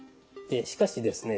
しかしですね